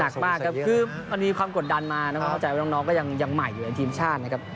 มากครับคือมันมีความกดดันมาต้องเข้าใจว่าน้องก็ยังใหม่อยู่ในทีมชาตินะครับ